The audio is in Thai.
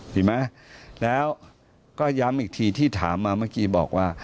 เห็นไหมแล้วก็ย้ำอีกทีที่ถามมาเมื่อกี้บอกว่า